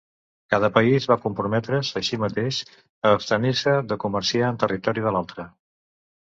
Cada país va comprometre's, així mateix, a abstenir-se de comerciar en territori de l'altre.